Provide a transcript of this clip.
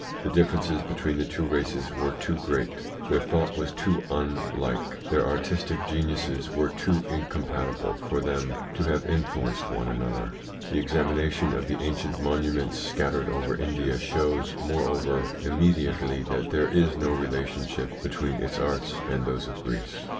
The differences between the two races were too great, their thought ITS INFLUENCE ON THEIR EVOLUTION 115 was too unlike, their artistic geniuses were too incom patible for them to have influenced one another. The examination of the ancient monuments scattered over India shows, moreover, immediately that there is no relationship between its arts and those of Greece.